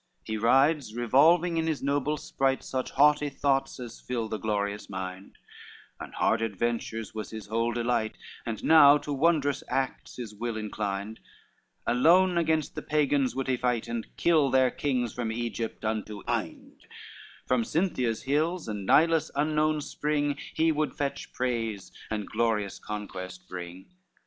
LII He rides, revolving in his noble spright Such haughty thoughts as fill the glorious mind; On hard adventures was his whole delight, And now to wondrous acts his will inclined; Alone against the Pagans would he fight, And kill their kings from Egypt unto Inde, From Cynthia's hills and Nilus' unknown spring He would fetch praise and glorious conquest bring.